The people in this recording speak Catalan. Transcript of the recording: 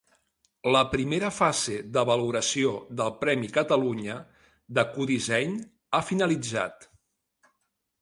La primera fase de valoració del Premi Catalunya d'Ecodisseny ha finalitzat.